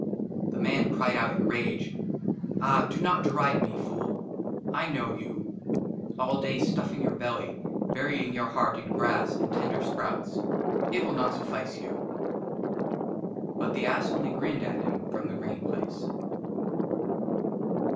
THE MAN CRIED OUT IN RAGE, " AH ! DO NOT DERIDE ME, FOOL !'* I KNOW YOU ALL DAY STUFFING YOUR BELLY, "BURYING YOUR HEART IN GRASS AND TENDER SPROUTS :" IT WILL NOT SUFFICE YOU." BUT THE ASS ONLY GRINNED AT HIM FROM THE GREEN PLACE.